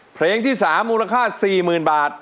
เพลงที่๓มูลค่า๔๐๐๐บาท